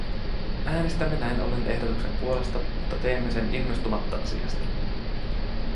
Äänestämme näin ollen ehdotuksen puolesta, mutta teemme sen innostumatta asiasta.